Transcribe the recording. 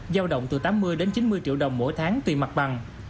giao động từ tám mươi đến chín mươi triệu đồng mỗi tháng tùy mặt bằng